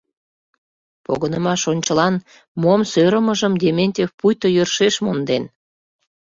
Погынымаш ончылан мом сӧрымыжым Дементьев пуйто йӧршеш монден.